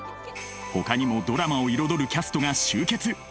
ほかにもドラマを彩るキャストが集結